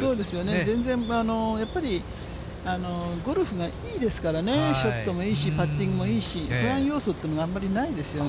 そうですよね、全然、やっぱりゴルフがいいですからね、ショットもいいし、パッティングもいいし、不安要素っていうのあんまそうですか。